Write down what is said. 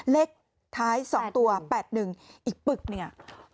เลขท้ายสองตัวแปดหนึ่งอีกปึ๊บนี่ไง